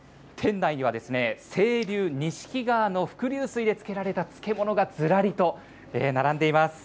店内には清流にしき川の伏流水で漬けられた漬物が、ずらりと並んでいます。